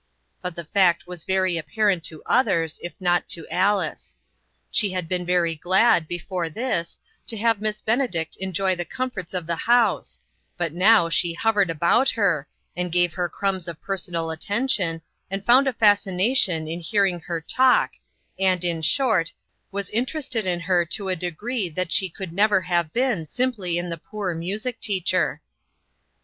But the fact was very appar ent to others, if not to Alice. She had been very glad, before this, to have Miss Bene dict enjoy the comforts of the house, but now she hovered about her, and gave her crumbs of personal attention, and found a fascination in hearing her talk, and, in short, was interested in her to a degree that she could never have been simply in the poor music teacher. S3 154 INTERRUPTED.